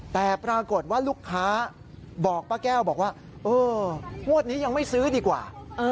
แต่ปรากฏว่าลูกค้าบอกป้าแก้วบอกว่าเอองวดนี้ยังไม่ซื้อดีกว่า